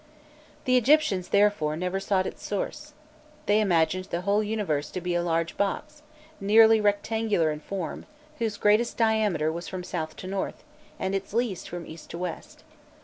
The Egyptians therefore never sought its source. They imagined the whole universe to be a large box, nearly rectangular in form, whose greatest diameter was from south to north, and its least from east to west.